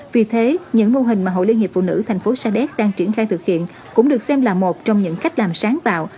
vì thế những mô hình mà hội liên hiệp phụ nữ thành phố sa đéc đang triển khai thực hiện cũng được xem là một trong những cách làm sáng tạo